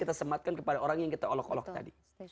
kita sematkan kepada orang yang kita olok olok tadi